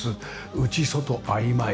内外曖昧。